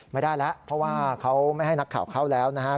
ไม่ได้แล้วเพราะว่าเขาไม่ให้นักข่าวเข้าแล้วนะครับ